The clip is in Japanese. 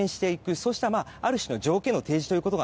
そうしたある種の条件の提示ということが